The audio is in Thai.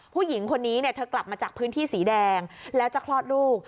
ผู้หญิงคนนี้เธอกลับมาจากพื้นที่สีแดงแล้วจะคลอดลูก